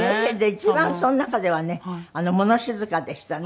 一番その中ではね物静かでしたね。